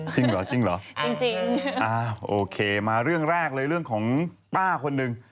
จริงเหรอจริงเหรอจริงอ้าวโอเคมาเรื่องแรกเลยเรื่องของป้าคนหนึ่ง